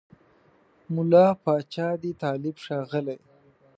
مُلا پاچا دی طالب ښاغلی